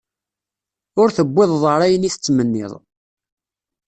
Ur tewwiḍeḍ ara ayen i tettmenniḍ.